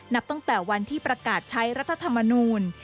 นับตั้งแต่วันที่ประกาศใช้รัฐธรรมนูล